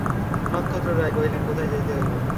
নক্ষত্ররায় কহিলেন, কোথায় যাইতে হইবে?